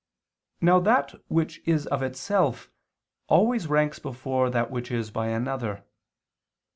Now that which is of itself always ranks before that which is by another.